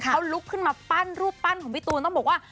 เขาลุกขึ้นมาปั้นรูปปั้นของพี่ตูนต้องบอกว่า